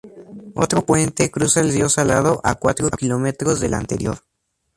Otro puente cruza el río Salado a cuatro kilómetros del anterior.